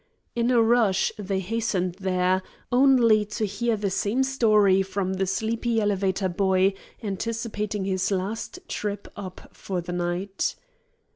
In a rush, they hastened there; only to hear the same story from the sleepy elevator boy anticipating his last trip up for the night.